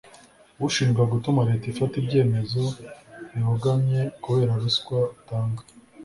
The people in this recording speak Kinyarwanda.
ushinjwa gutuma leta ifata ibyemezo bibogamye kubera ruswa utanga